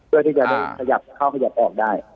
เพื่อที่จะได้ขยับเข้าขยับออกได้